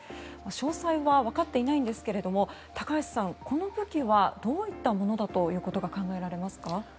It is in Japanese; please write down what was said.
詳細はわかっていないんですが高橋さん、この武器はどういったものだということが考えられますか？